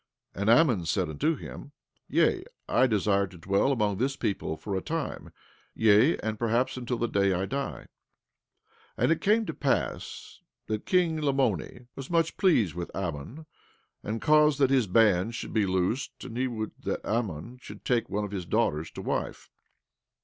17:23 And Ammon said unto him: Yea, I desire to dwell among this people for a time; yea, and perhaps until the day I die. 17:24 And it came to pass that king Lamoni was much pleased with Ammon, and caused that his bands should be loosed; and he would that Ammon should take one of his daughters to wife.